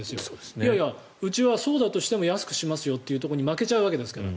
いやいや、うちはそうだとしても安くしますよというところに負けちゃうわけですから。